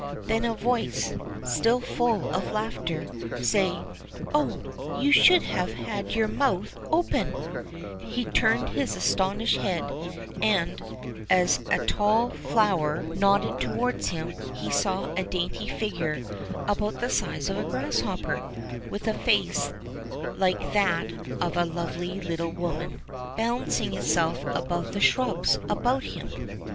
Then a voice, still full of laughter, said, Oh ! you should have had your mouth open !" He turned his astonished head, and, as a tall flower 37 38 THE CHILDREN'S WONDER BOOK. nodded towards him, he saw a dainty figure about the size of a grasshopper, with a face like that of a lovely little woman, balancing itself above the shrubs about him.